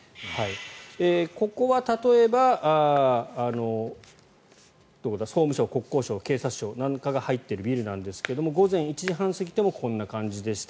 ここは例えば総務省、国交省、警察庁なんかが入っているビルなんですが午前１時半過ぎてもこんな感じでした。